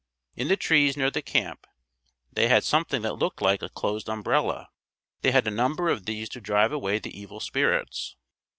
In the trees near the camp, they had something that looked like a closed umbrella. They had a number of these to drive away the evil spirits.